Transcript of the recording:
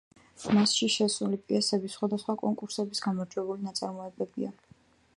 მასში შესული პიესები სხვადასხვა კონკურსების გამარჯვებული ნაწარმოებებია.